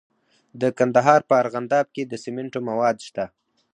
د کندهار په ارغنداب کې د سمنټو مواد شته.